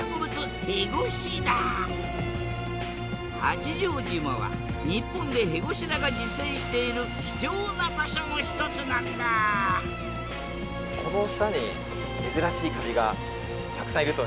八丈島は日本でヘゴシダが自生している貴重な場所の一つなんだなるほど。